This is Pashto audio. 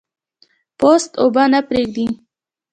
پوست اوبه نه پرېږدي.